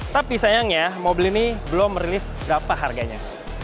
tapi sayangnya mobil ini belum merilis berapa harganya